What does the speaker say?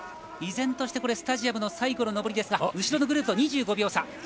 依然として、スタジアムの最後の上りですが後ろのグループと２５秒差。